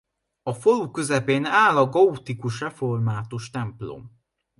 A falu közepén áll a gótikus református templom.